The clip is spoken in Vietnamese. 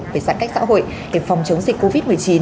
về giãn cách xã hội để phòng chống dịch covid một mươi chín